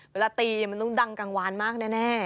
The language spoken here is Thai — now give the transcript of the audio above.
เวลาตีมันต้องดังกลางวานมากแน่